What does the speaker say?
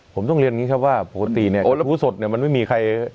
ผมต้องเรียนอย่างนี้ครับว่าปกติเนี่ยหูสดเนี่ยมันไม่มีใคร